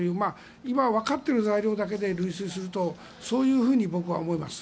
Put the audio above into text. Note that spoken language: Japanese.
今わかっている材料だけで類推すると、僕はそう思います。